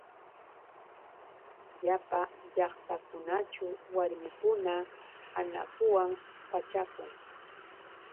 Llapa llaqtakunaćhu warmikuna anakuwan pachakun.